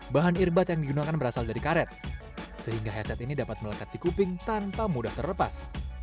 bahan irbat yang digunakan berasal dari karet sehingga headset ini dapat melekat di kuping tanpa mudah terlepas